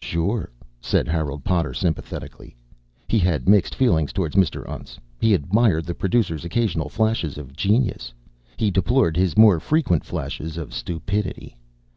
"Sure," said Harold Potter sympathetically. He had mixed feelings toward Mr. Untz. He admired the producer's occasional flashes of genius, he deplored his more frequent flashes of stupidity.